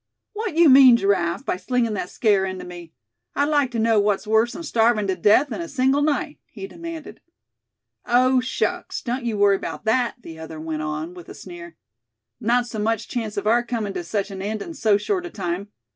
"What you mean, Giraffe, by slingin' that scare into me; I'd like to know what's worse than starvin' to death in a single night?" he demanded. "Oh! shucks! don't you worry about that," the other went on, with a sneer. "Not so much chance of our comin' to such an end in so short a time.